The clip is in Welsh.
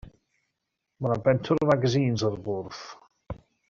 Mae 'na bentwr o fagasîns ar y bwrdd.